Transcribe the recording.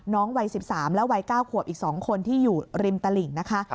วัย๑๓และวัย๙ขวบอีก๒คนที่อยู่ริมตลิ่งนะคะ